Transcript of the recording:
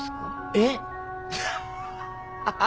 えっ？